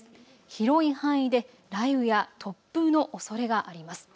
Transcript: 広い範囲で雷雨や突風のおそれがあります。